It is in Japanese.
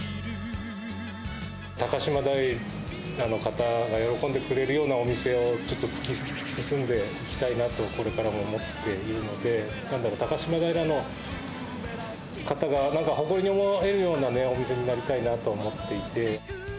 高島平の方が喜んでくれるようなお店を、ちょっと突き進んでいきたいなと、これからも思っているので、高島平の方がなんか誇りに思えるようなね、お店になりたいなと思っていて。